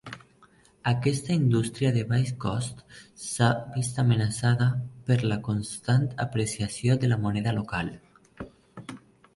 Aquesta indústria de baix cost s'ha vist amenaçada per la constant apreciació de la moneda local.